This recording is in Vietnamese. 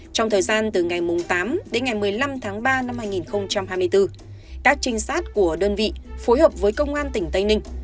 trong thời gian từ ngày tám đến ngày một mươi năm tháng ba năm hai nghìn hai mươi bốn các trinh sát của đơn vị phối hợp với công an tỉnh tây ninh